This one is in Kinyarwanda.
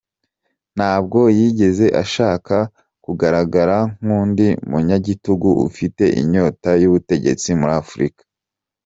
Ntabwo yigeze ashaka kugaragara nk’undi munyagitugu ufite inyota y’ubutegetsi muri Afurika.